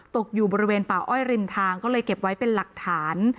ตกอยู่บริเวณป่าอ้อยริมทางก็เลยเก็บไว้เป็นหลักฐาน